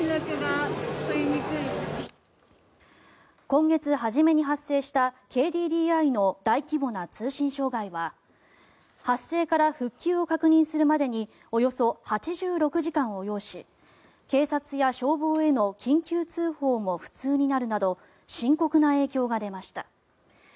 今月初めに発生したＫＤＤＩの大規模な通信障害は発生から復旧を確認するまでにおよそ８６時間を要し警察や消防への緊急通報も不通になるなど深刻な影響が出ました。